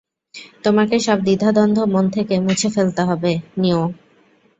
তোমাকে সব দ্বিধা-দ্বন্ধ মন থেকে মুছে ফেলতে হবে, নিও।